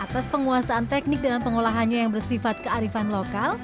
atas penguasaan teknik dalam pengolahannya yang bersifat kearifan lokal